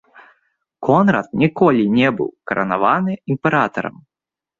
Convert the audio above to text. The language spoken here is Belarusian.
Конрад ніколі не быў каранаваны імператарам.